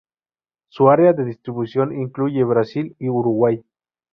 Su área de distribución incluye Brasil y Uruguay.